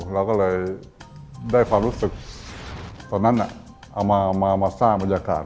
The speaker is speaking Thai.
เราก็เลยได้ความรู้สึกตอนนั้นเอามาสร้างบรรยากาศ